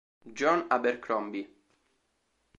John Abercrombie